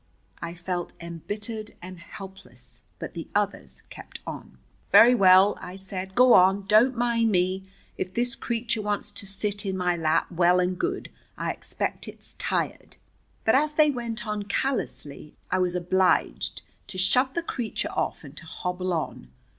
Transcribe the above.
I felt embittered and helpless, but the others kept on. "Very well," I said, "go on. Don't mind me. If this creature wants to sit in my lap, well and good. I expect it's tired." But as they went on callously, I was obliged to shove the creature off and to hobble on.